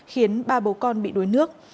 khiến ba bố con bị đuối nước